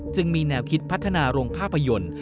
จึงมีแนวคิดพัฒนาโรงภาพยนตร์